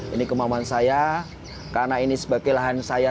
ini kemampuan saya karena ini sebagai lahan saya